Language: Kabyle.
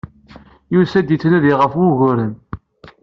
Yusa-d, yettnadi ɣef wuguren.